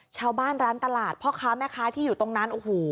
ชาวบ้านร้านตลาดพ่อค้าแม่ค้าที่อยู่ตรงนั้นโอ้โห